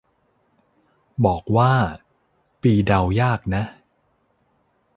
บอกว่า ปีเดายากนะ